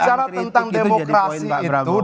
kehormatan keberadaan kritik itu jadi poin pak prabowo